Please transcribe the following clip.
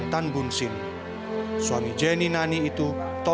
tahu wrong i'm bad guy